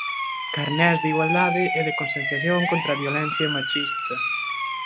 Carnés de igualdade e de concienciación contra a violencia machista.